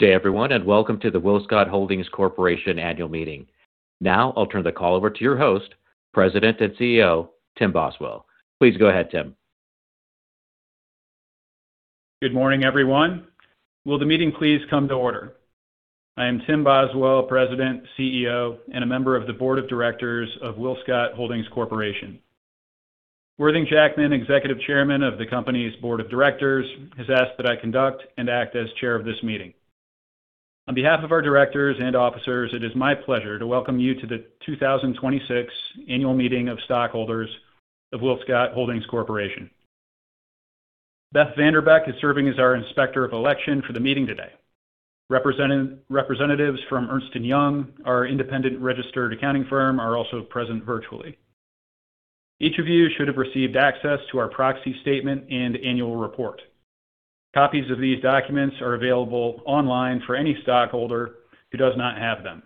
Good day everyone, welcome to the WillScot Mobile Mini Holdings Corp. annual meeting. Now, I'll turn the call over to your host, President and Chief Executive Officer, Tim Boswell. Please go ahead, Tim. Good morning, everyone. Will the meeting please come to order? I am Tim Boswell, President, Chief Executive Officer, and a member of the board of directors of WillScot Mobile Mini Holdings Corp. Worthing Jackman, Executive Chairman of the company's board of directors, has asked that I conduct and act as chair of this meeting. On behalf of our directors and officers, it is my pleasure to welcome you to the 2026 annual meeting of stockholders of WillScot Mobile Mini Holdings Corp. Beth Vanderbeck is serving as our Inspector of Election for the meeting today. Representatives from Ernst & Young, our independent registered accounting firm, are also present virtually. Each of you should have received access to our proxy statement and annual report. Copies of these documents are available online for any stockholder who does not have them.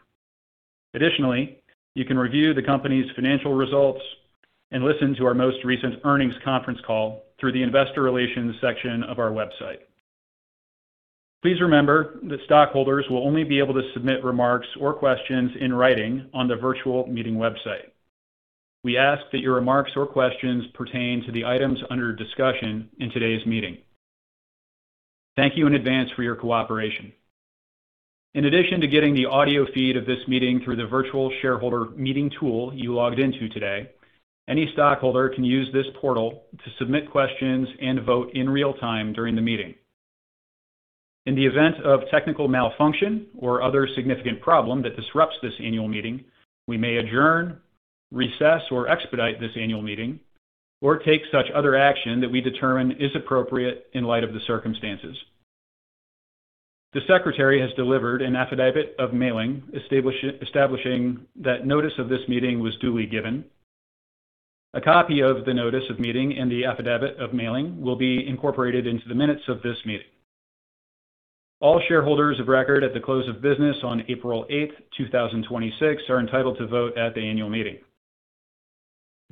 Additionally, you can review the company's financial results and listen to our most recent earnings conference call through the investor relations section of our website. Please remember that stockholders will only be able to submit remarks or questions in writing on the virtual meeting website. We ask that your remarks or questions pertain to the items under discussion in today's meeting. Thank you in advance for your cooperation. In addition to getting the audio feed of this meeting through the virtual shareholder meeting tool you logged into today, any stockholder can use this portal to submit questions and vote in real time during the meeting. In the event of technical malfunction or other significant problem that disrupts this annual meeting, we may adjourn, recess, or expedite this annual meeting, or take such other action that we determine is appropriate in light of the circumstances. The secretary has delivered an affidavit of mailing, establishing that notice of this meeting was duly given. A copy of the notice of meeting and the affidavit of mailing will be incorporated into the minutes of this meeting. All shareholders of record at the close of business on April 8th, 2026, are entitled to vote at the annual meeting.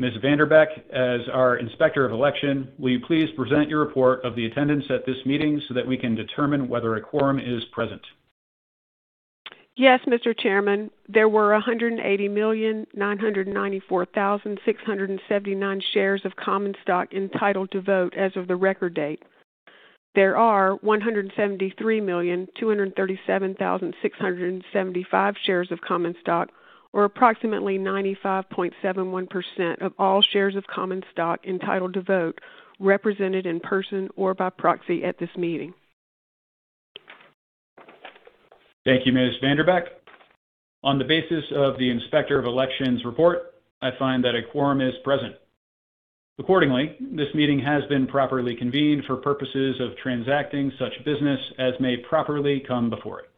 Ms. Vanderbeck, as our Inspector of Election, will you please present your report of the attendance at this meeting so that we can determine whether a quorum is present? Yes, Mr. Chairman. There were 180,994,679 shares of common stock entitled to vote as of the record date. There are 173,237,675 shares of common stock, or approximately 95.71% of all shares of common stock entitled to vote, represented in person or by proxy at this meeting. Thank you, Ms. Vanderbeck. On the basis of the inspector of election's report, I find that a quorum is present. Accordingly, this meeting has been properly convened for purposes of transacting such business as may properly come before it.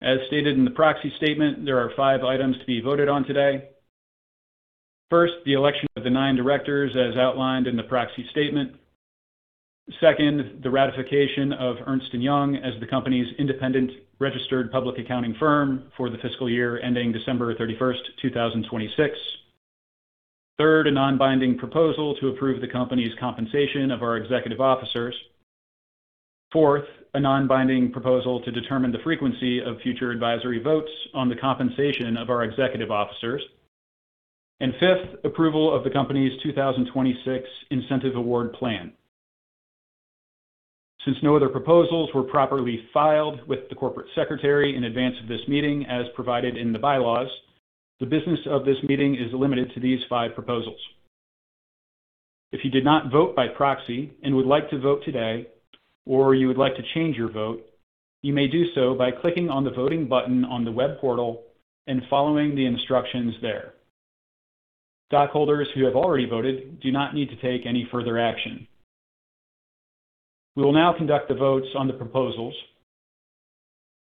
As stated in the proxy statement, there are five items to be voted on today. First, the election of the nine directors as outlined in the proxy statement. Second, the ratification of Ernst & Young as the company's independent registered public accounting firm for the fiscal year ending December 31st, 2026. Third, a non-binding proposal to approve the company's compensation of our executive officers. Fourth, a non-binding proposal to determine the frequency of future advisory votes on the compensation of our executive officers. Fifth, approval of the company's 2026 Incentive Award Plan. Since no other proposals were properly filed with the corporate secretary in advance of this meeting as provided in the bylaws, the business of this meeting is limited to these five proposals. If you did not vote by proxy and would like to vote today, or you would like to change your vote, you may do so by clicking on the voting button on the web portal and following the instructions there. Stockholders who have already voted do not need to take any further action. We will now conduct the votes on the proposals.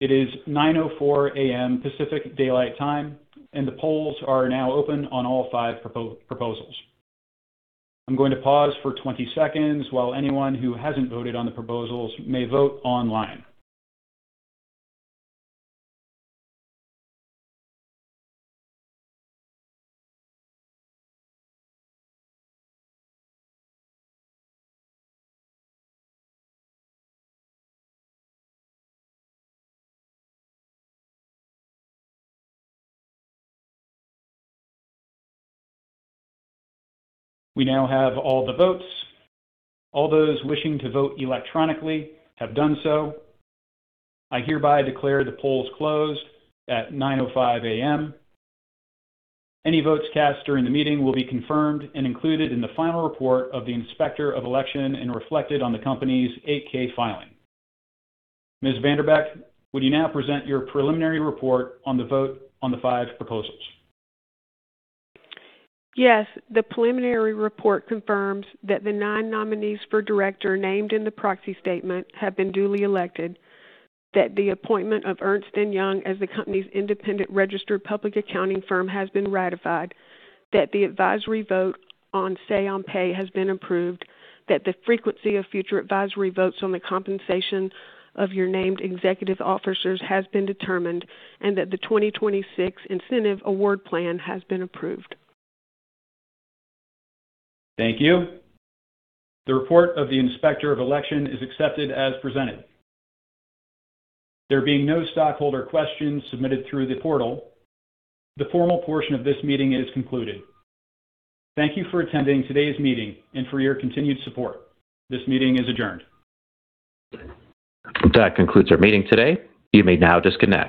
It is 9:04 A.M. Pacific Daylight Time. The polls are now open on all five proposals. I am going to pause for 20 seconds while anyone who has not voted on the proposals may vote online. We now have all the votes. All those wishing to vote electronically have done so. I hereby declare the polls closed at 9:05 A.M. Any votes cast during the meeting will be confirmed and included in the final report of the inspector of election and reflected on the company's 8-K filing. Ms. Vanderbeck, would you now present your preliminary report on the vote on the five proposals? Yes. The preliminary report confirms that the nine nominees for director named in the proxy statement have been duly elected, that the appointment of Ernst & Young as the company's independent registered public accounting firm has been ratified, that the advisory vote on Say-on-Pay has been approved, that the frequency of future advisory votes on the compensation of your named executive officers has been determined, and that the 2026 Incentive Award Plan has been approved. Thank you. The report of the inspector of election is accepted as presented. There being no stockholder questions submitted through the portal, the formal portion of this meeting is concluded. Thank you for attending today's meeting and for your continued support. This meeting is adjourned. That concludes our meeting today. You may now disconnect.